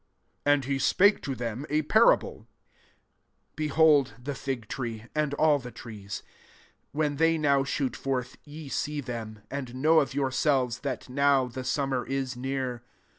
29 And he spake to them a pa« rable :" Behold the fig tree, and all the trees : SO when they now shoot forth, ye see ihem, and know of yourselves that now the summer is near.